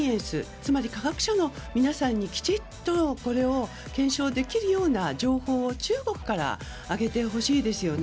つまり科学者の皆さんにきちっとこれを検証できるような情報を中国から上げてほしいですよね。